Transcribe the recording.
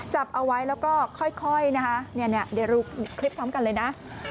จับเอาไว้แล้วก็ค่อยนะคะเดี๋ยวดูคลิปพร้อมกันเลยนะ